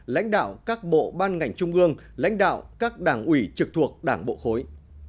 lãnh đạo các bộ ban ngành trung ương lãnh đạo các đảng ủy trực thuộc đảng bộ khối